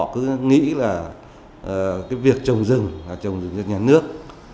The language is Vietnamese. cứ nghĩ là cái việc trồng rừng là trồng rừng cho nhà nước